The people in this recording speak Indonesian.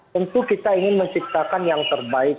tentu kita ingin menciptakan yang terbaik